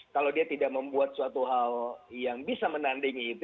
kalau dia tidak membuat suatu hal yang bisa menandingi itu